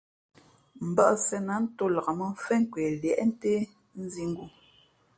Mbᾱʼ sēn ā ntō nlak mᾱmfén kwe liēʼntē nzīngū.